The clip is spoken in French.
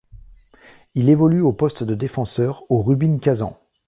Il évolue au poste de défenseur au Rubin Kazan.